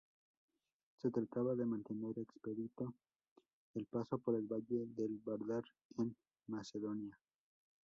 Se trataba de mantener expedito el paso por el valle del Vardar, en Macedonia.